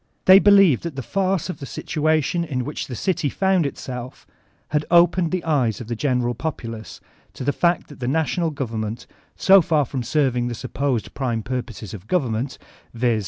They believe that the farce of the situation in which the dty found itself, had opened the eyes of the general populace to the fact that the national govemmenty so far from serving the supposed prime purpose of gov emment, viz.